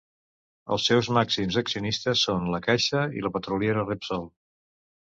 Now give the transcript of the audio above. Els seus màxims accionistes són La Caixa i la petroliera Repsol.